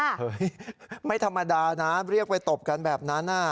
เฮ้ยไม่ธรรมดานะเรียกไปตบกันแบบนั้น